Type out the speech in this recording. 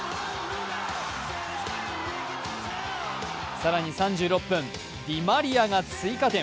更に３６分、ディマリアが追加点。